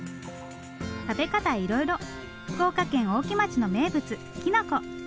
食べ方いろいろ福岡県大木町の名物きのこ。